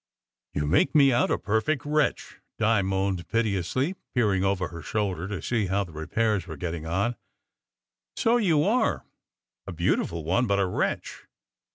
"You make me out a perfect wretch," Di moaned pite SECRET HISTORY 83 ously, peering over her shoulder to see how the repairs were getting on. "So you are! A beautiful one, but a wretch.